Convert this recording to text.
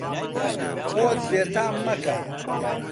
خۆت بێتام مەکە.